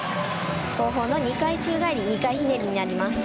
後方の２回宙返り２回ひねりになります。